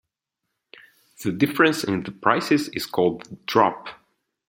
The difference in the prices is called the drop.